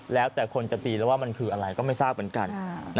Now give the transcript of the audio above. แล้วแต่คนจะตีแล้วว่ามันคืออะไรก็ไม่ทราบเหมือนกัน